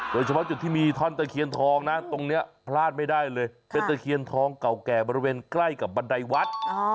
โดยเฉพาะจุดที่มีท่อนตะเคียนทองนะตรงนี้พลาดไม่ได้เลยเป็นตะเคียนทองเก่าแก่บริเวณใกล้กับบันไดวัด